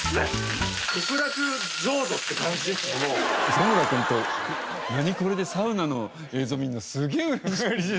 磯村君と『ナニコレ』でサウナの映像見るのすげえ嬉しい。